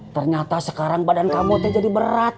ternyata sekarang badan kamu itu jadi berat